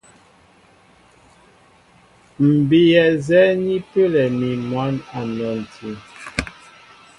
M̀ bíyɛ nzɛ́ɛ́ ni pəlɛ mi mwǎn a nɔnti.